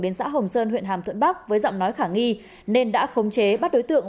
biến xã hồng sơn huyện hàm thuận bắc với giọng nói khả nghi nên đã khống chế bắt đối tượng